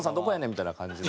みたいな感じの。